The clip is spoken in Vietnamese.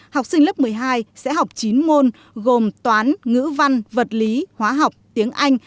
học sinh lớp một mươi hai sẽ học chín môn gồm toán ngữ văn vật lý hóa học tiếng anh